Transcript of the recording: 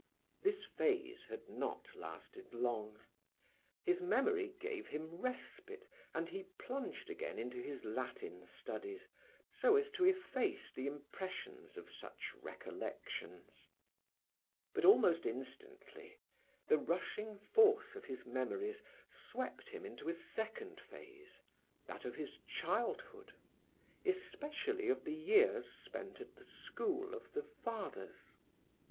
This phase had not lasted long. His memory gave him respite and he plunged again into his Latin studies, so as to efface the impressions of such recollections. But almost instantly the rushing force of his memories swept him into a second phase, that of his childhood, especially of the years spent at the school of the Fathers.